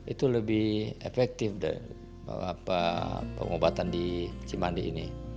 itu lebih efektif pengobatan di cimandi ini